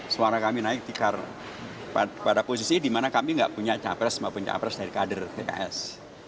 suara kami naik tikar pada posisi di mana kami tidak punya capres maupun capres dari kader pks